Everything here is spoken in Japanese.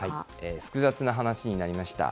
複雑な話になりました。